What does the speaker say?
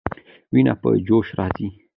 ويني په جوش راځي.